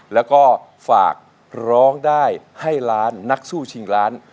แล้วก็ฝากร้องได้ให้ล้านนักสู้ชิงล้าน